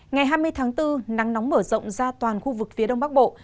ngày hai mươi tháng bốn nắng nóng mở rộng ra toàn khu vực phía đông bắc bộ